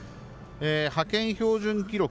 派遣標準記録